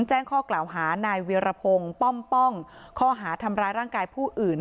แจ้งข้อกล่าวหานายเวียรพงศ์ป้อมป้องข้อหาทำร้ายร่างกายผู้อื่น